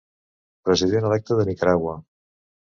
President electe de Nicaragua.